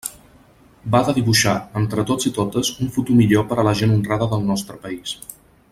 Va de dibuixar, entre tots i totes, un futur millor per a la gent honrada del nostre país.